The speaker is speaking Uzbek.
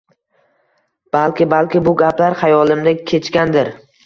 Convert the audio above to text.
Balki, balki bu gaplar xayolimda kechgandir?